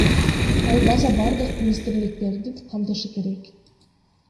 Ал база бардык министрликтерди камтышы керек.